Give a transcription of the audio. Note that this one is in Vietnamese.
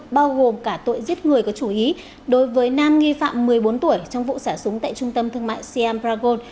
bao gồm cả tội giết người có chủ ý đối với nam nghi phạm một mươi bốn tuổi trong vụ xả súng tại trung tâm thương mại siam bragon